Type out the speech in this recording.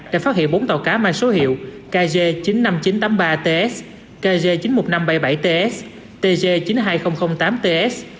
đã phát hiện bốn tàu cá mang số hiệu kg chín mươi năm nghìn chín trăm tám mươi ba tsk chín mươi một nghìn năm trăm bảy mươi bảy ts tg chín mươi hai nghìn tám ts